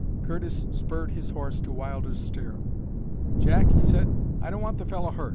Curtis spurred his horse to Wilder's stirrup. "Jack," he said, "I don't want the fellow hurt.